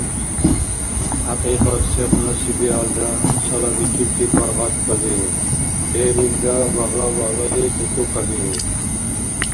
ХӀякьикьат сегъунси биалра, цалабикибти паргъаткабиуб, лебилра багьла-багьлали тӀутӀукабиуб.